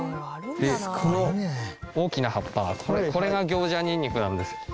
この大きな葉っぱこれが行者ニンニクなんです。